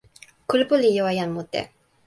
kulupu li jo e jan mute.